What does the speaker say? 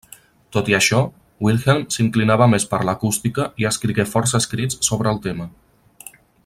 Tot i això, Wilhelm s'inclinava més per l'acústica i escrigué força escrits sobre el tema.